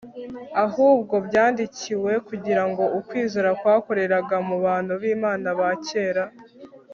ahubwo byandikiwe kugira ngo ukwizera kwakoreraga mu bantu bImana ba kera